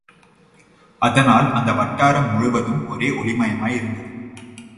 அதனால் அந்த வட்டாரம் முழுவதும் ஒரே ஒளிமயமாய் இருந்தது.